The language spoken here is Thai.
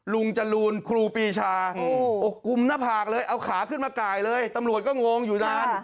จรูนครูปีชาอกุมหน้าผากเลยเอาขาขึ้นมากายเลยตำรวจก็งงอยู่นาน